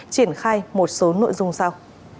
triển khai một số nội dung sau